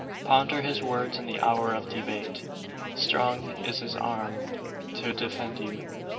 Ponder his words in the hour of debate, Strong is his arm to defend you.